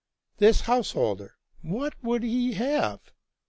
This house holder — what would he have?